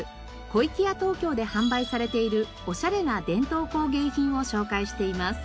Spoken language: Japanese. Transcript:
小粋屋東京で販売されているおしゃれな伝統工芸品を紹介しています。